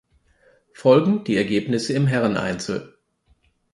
Folgend die Ergebnisse im Herreneinzel.